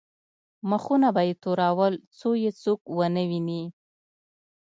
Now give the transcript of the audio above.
مخونه به یې تورول څو یې څوک ونه ویني.